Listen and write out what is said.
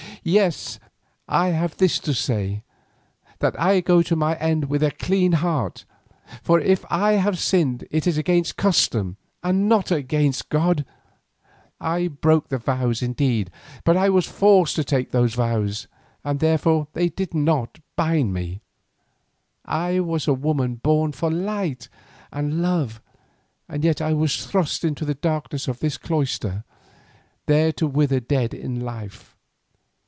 "Yes, I have this to say, that I go to my end with a clean heart, for if I have sinned it is against custom and not against God. I broke the vows indeed, but I was forced to take those vows, and, therefore, they did not bind. I was a woman born for light and love, and yet I was thrust into the darkness of this cloister, there to wither dead in life.